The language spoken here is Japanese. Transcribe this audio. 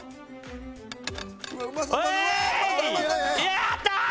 やったー！